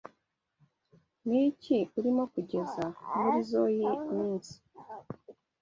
Niki urimo kugeza murizoi minsi?